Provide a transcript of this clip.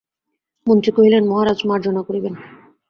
মন্ত্রী কহিলেন, মহারাজ, মার্জনা করিবেন।